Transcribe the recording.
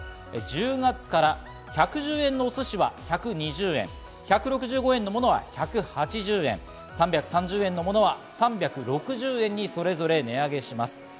１０月から１１０円のお寿司は１２０円、１６５円の物は１８０円、３３０円のものは３６０円にそれぞれ値上げします。